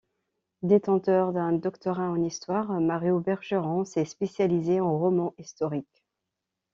Détenteur d'un doctorat en histoire, 'Mario Bergeron s'est spécialisé en romans historiques.